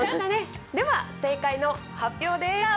では正解の発表です。